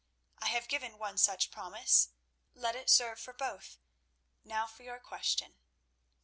"I have given one such promise; let it serve for both; now for your question."